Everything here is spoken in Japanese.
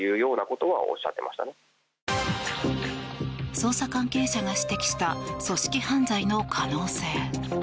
捜査関係者が指摘した組織犯罪の可能性。